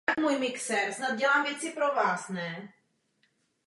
Je vysoce inteligentní a rychle se učí.